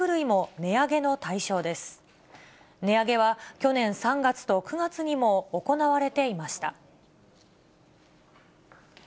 値上げは去年３月と９月にも行われていました。